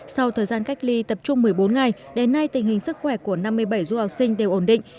sau thời gian cách ly tập trung một mươi bốn ngày đến nay tình hình sức khỏe của năm mươi bảy du học sinh đều ổn định